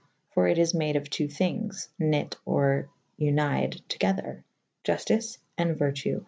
For it is made of .ii.°thynges knvte or vnied togither /Juftice and vertu.